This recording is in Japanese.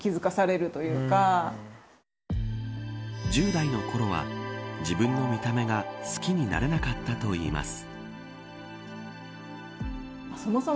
１０代のころは自分の見た目が好きになれなかったといいます。